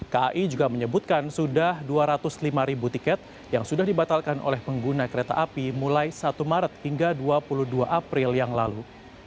kai juga menyebutkan sudah dua ratus lima ribu tiket yang sudah dibatalkan oleh pengguna kereta api mulai satu maret hingga dua puluh dua april yang lalu